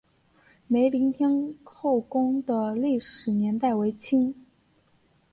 梅林天后宫的历史年代为清。